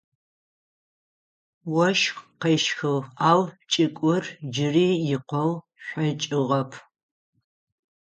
Ощх къещхыгъ, ау чӏыгур джыри икъоу шъокӏыгъэп.